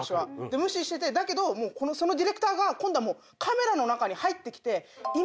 だけどそのディレクターが今度はカメラの中に入ってきて。